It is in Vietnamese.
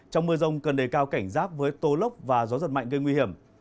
trong mưa rông cần đề cao cảnh giác với tô lốc và gió giật mạnh gây nguy hiểm